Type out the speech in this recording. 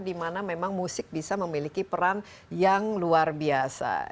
dimana memang musik bisa memiliki peran yang luar biasa